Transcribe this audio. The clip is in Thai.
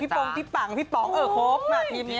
ปองพี่ปังพี่ป๋องเออครบมาทีมนี้